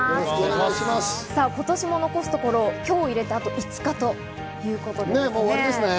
今年も残すところ、今日を入れてあと５日ということです。